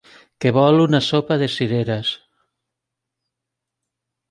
Que vol una sopa de cireres!